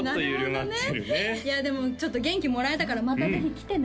なるほどねいやでもちょっと元気もらえたからまたぜひ来てね